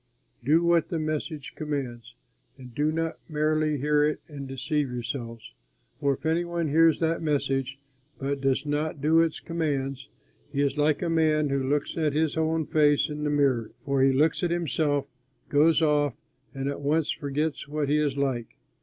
Do what that message commands, and do not merely hear it and deceive yourselves. For if any one hears that message but does not do as it commands, he is like a man who looks at his own face in the mirror, for he looks at himself, goes off, and at once forgets what he is like.